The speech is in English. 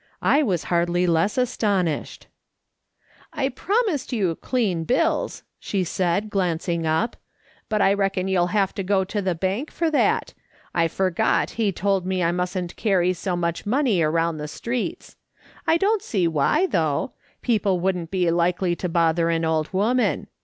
I was hardly less astonished. LUMPS OF CLAY. 219 "I promised you clean bills," she said, glancing \ip, "but I reckon you'll have to go to the bank for that; I forgot he told me I mustn't carry so much money around the streets. I don't see why, though ; people wouldn't be likely to bother an old woman.